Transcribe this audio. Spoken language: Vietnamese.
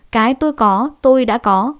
cái tôi có tôi đã có